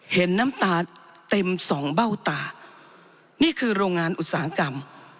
เห็นน้ำตาเต็มสองเบ้าตานี่คือโรงงานอุตสาหกรรม